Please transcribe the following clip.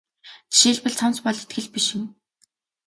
Жишээлбэл цамц бол итгэл биш юм.